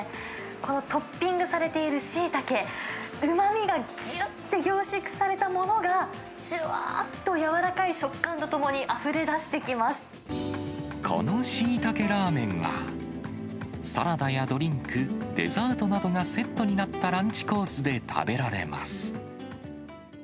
このトッピングされているシイタケ、うまみがぎゅって凝縮されたものが、じゅわっと柔らかい食感ととこのシイタケラーメンは、サラダやドリンク、デザートなどがセットになったランチコースで食べられます。